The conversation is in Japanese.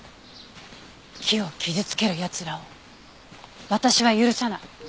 木を傷つける奴らを私は許さない。